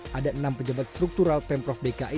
pada dua ribu empat belas ada enam pejabat struktural pemprov dki